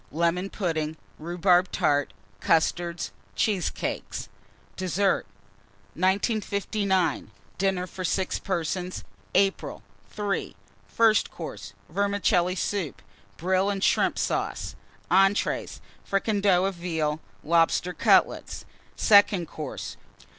Lemon Pudding. Rhubarb Tart. Custards. Cheesecakes. DESSERT. 1959. DINNER FOR 6 PERSONS (April). III. FIRST COURSE. Vermicelli Soup. Brill and Shrimp Sauce. ENTREES. Fricandeau of Veal. Lobster Cutlets. SECOND COURSE.